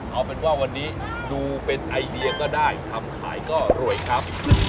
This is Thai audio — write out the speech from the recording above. เอาเป็นว่าวันนี้ดูเป็นไอเดียก็ได้ทำขายก็รวยครับ